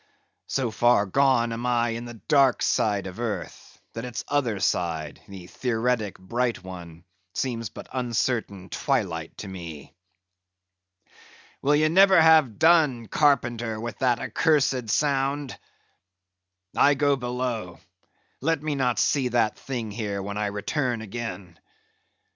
So far gone am I in the dark side of earth, that its other side, the theoretic bright one, seems but uncertain twilight to me. Will ye never have done, Carpenter, with that accursed sound? I go below; let me not see that thing here when I return again.